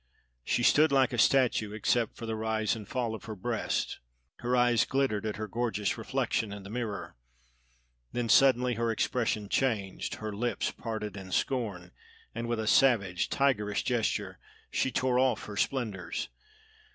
She stood like a statue, except for the rise and fall of her breast; her eyes glittered at her gorgeous reflection in the mirror. Then suddenly her expression changed, her lips parted in scorn, and with a savage, tigerish gesture, she tore off her splendors.